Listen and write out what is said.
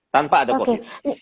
tanpa ada covid